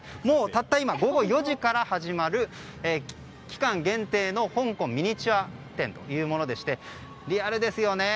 たった今、午後４時から始まる期間限定の香港ミニチュア展というものでしてリアルですよね。